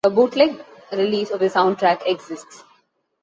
A bootleg release of the soundtrack exists.